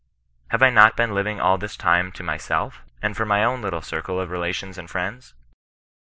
Have I not been living all this time to myself, and for my own littl^ circle of relations and friends?